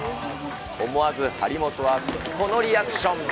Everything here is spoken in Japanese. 思わず張本は、このリアクション。